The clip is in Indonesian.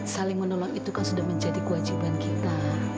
saling menolong itu kan sudah menjadi kewajiban kita